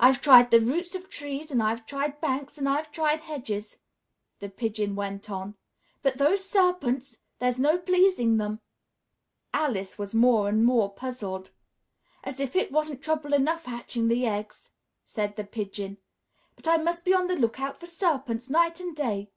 "I've tried the roots of trees, and I've tried banks, and I've tried hedges," the Pigeon went on, "but those serpents! There's no pleasing them!" Alice was more and more puzzled. "As if it wasn't trouble enough hatching the eggs," said the Pigeon, "but I must be on the look out for serpents, night and day!